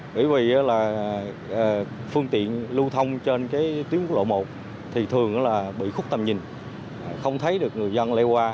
bởi vì là phương tiện lưu thông trên cái tuyến quốc lộ một thì thường là bị khúc tầm nhìn không thấy được người dân leo qua